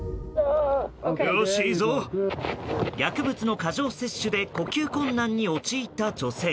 薬物の過剰摂取で呼吸困難に陥った女性。